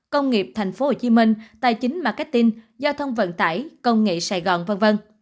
công nghiệp tp hcm tài chính marketing giao thông vận tải công nghệ sài gòn v v